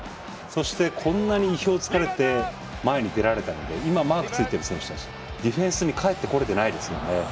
そしてこんなに意表をつかれて前に出られたので今マークついてる選手たちディフェンスに帰ってこれてないですよね。